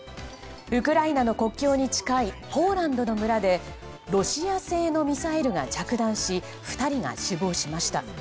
ウクライナの国境に近いポーランドの村でロシア製のミサイルが着弾し２人が死亡しました。